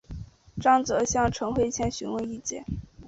张则向陈惠谦询问意见。